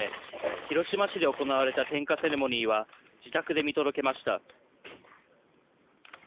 広島市で行われた点火セレモニーは自宅で見届けました